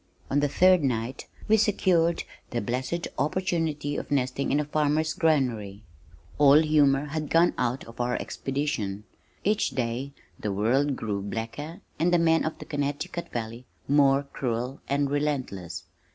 On the third night we secured the blessed opportunity of nesting in a farmer's granary. All humor had gone out of our expedition. Each day the world grew blacker, and the men of the Connecticut Valley more cruel and relentless.